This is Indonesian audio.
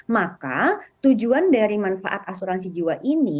maka tujuan dari manfaat asuransi jiwa ini